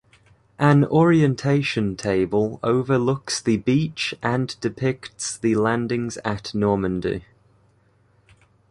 An orientation table overlooks the beach and depicts the landings at Normandy.